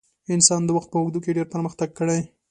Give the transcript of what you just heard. انسان د وخت په اوږدو کې ډېر پرمختګ کړی.